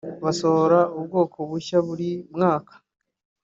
basohora ubwoko bushya buri mwaka